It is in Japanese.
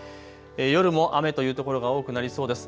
夜も雨という所が多くなりそうです。